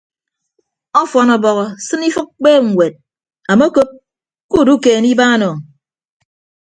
Ọfọn ọbọhọ sịn ifịk kpeeb ñwed amokop kuudukeene ibaan o.